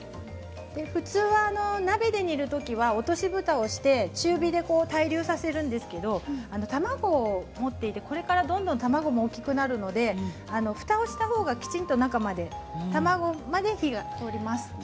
普通は鍋で煮るときは落としぶたをして中火で対流させるんですけれども卵を持っていて、これからどんどん卵も大きくなるのでふたをしたほうが、きちんと中まで卵まで火が通ります。